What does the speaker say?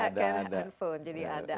jadi ada upgrade